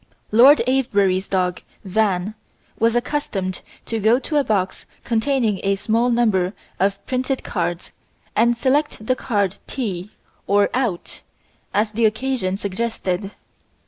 Lord Avebury's dog Van was accustomed to go to a box containing a small number of printed cards and select the card TEA or OUT, as the occasion suggested.